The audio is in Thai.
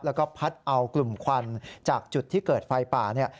แล้วก็พัดเอากลุ่มควันจากจุดที่เกิดไฟป่าเนี่ย